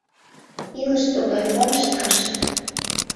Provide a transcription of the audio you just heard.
— Илыш тугай, мом ышташ...